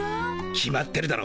決まってるだろ。